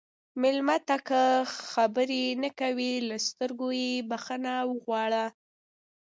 مېلمه ته که خبرې نه کوي، له سترګو یې بخښنه وغواړه.